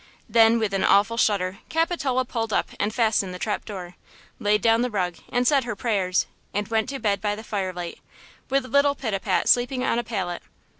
Then with an awful shudder Capitola pulled up and fastened the trap door, laid down the rug and said her prayers and went to bed by the firelight, with little Pitapat sleeping on a pallet.